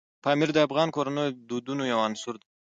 پامیر د افغان کورنیو د دودونو یو عنصر دی.